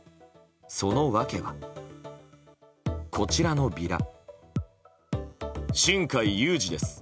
その訳はこちらのビラ。